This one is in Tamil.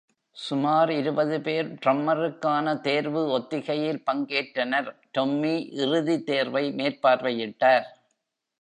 சுமார் இருபது பேர் ட்ரம்மருக்கான தேர்வு ஒத்திகையில் பங்கேற்றனர், Tommy இறுதி தேர்வை மேற்பார்வையிட்டார்.